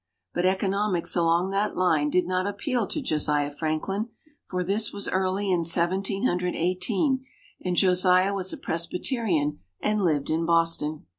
But economics along that line did not appeal to Josiah Franklin, for this was early in Seventeen Hundred Eighteen, and Josiah was a Presbyterian and lived in Boston.